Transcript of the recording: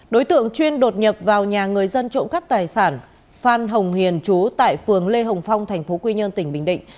đối tượng chuyên đột nhập vào nhà người dân trộm khắp tài sản phan hồng hiền chú tại phường lê hồng phong thành phố quy nhơn tỉnh bình định